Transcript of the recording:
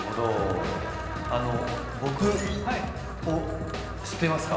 僕を知っていますか？